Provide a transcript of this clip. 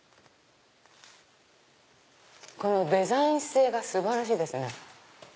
このデザイン性が素晴らしいですね。